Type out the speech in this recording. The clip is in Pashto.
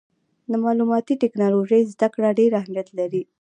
د معلوماتي ټکنالوجۍ زدهکړه ډېر اهمیت لري.